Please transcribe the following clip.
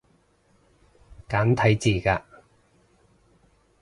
簡體字嘅